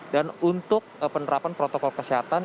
dan untuk penerapan protokol kesehatan